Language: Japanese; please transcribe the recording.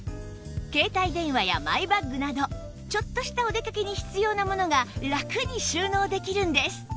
携帯電話やマイバッグなどちょっとしたお出かけに必要なものがラクに収納できるんです